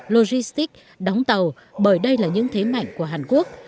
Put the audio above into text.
logistics đóng tàu bởi đây là những thế mạnh của hàn quốc